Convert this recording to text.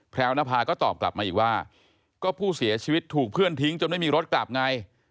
วนภาก็ตอบกลับมาอีกว่าก็ผู้เสียชีวิตถูกเพื่อนทิ้งจนไม่มีรถกลับไง